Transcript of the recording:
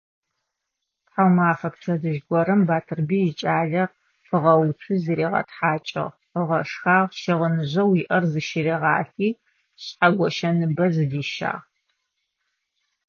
Тхьаумэфэ пчэдыжь горэм Батырбый икӀалэ къыгъэуцуи зыригъэтхьакӀыгъ, ыгъэшхагъ, щыгъыныжъэу иӀэр зыщыригъалъи, Шъхьэгощэ ныбэ зыдищагъ.